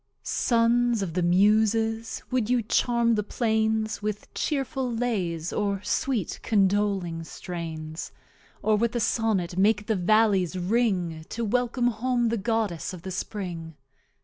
Sons of the Muses, would you Charm the Plains With Chearful Lays, or Sweet Condoling Strains; Or with a Sonnet make the Vallies ring, To Welcome home the Goddess of the Spring?